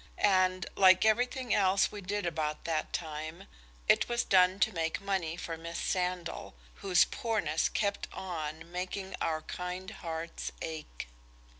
And, like everything else we did about that time it was done to make money for Miss Sandal, whose poorness kept on, making our kind hearts ache.